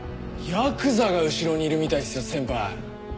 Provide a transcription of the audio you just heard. ヤクザが後ろにいるみたいっすよ先輩。